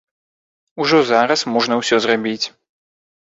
Ужо зараз можна ўсё зрабіць.